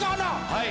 はい。